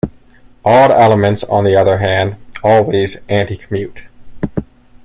Odd elements, on the other hand, always anticommute.